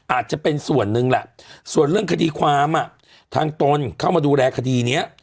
อาจจะเป็นส่วนหนึ่งแหละส่วนเรื่องคดีความทางตนเข้ามาดูแลคดีนี้